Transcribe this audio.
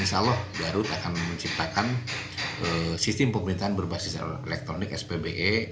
insya allah garut akan menciptakan sistem pemerintahan berbasis elektronik spbe